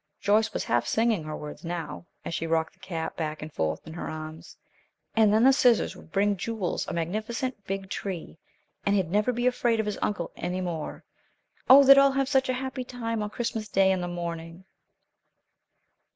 Joyce was half singing her words now, as she rocked the cat back and forth in her arms. "And then the scissors would bring Jules a magnificent big tree, and he'd never be afraid of his uncle any more. Oh, they'd all have such a happy time on Christmas Day, in the morning!"